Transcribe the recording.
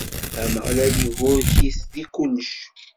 Ameɣlal iburek-it di kullec.